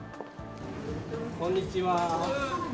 こんにちは。